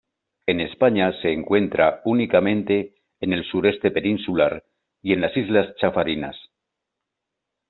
En España se encuentra únicamente en el sureste peninsular y en las Islas Chafarinas.